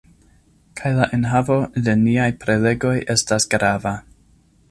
Kaj la enhavo de niaj prelegoj estas grava